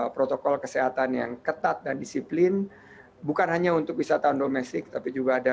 protokol kesehatan yang ketat dan disiplin bukan hanya untuk wisatawan domestik tapi juga ada